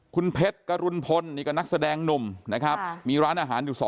คุณเพชรกรุณพลนี่ก็นักแสดงหนุ่มนะครับมีร้านอาหารอยู่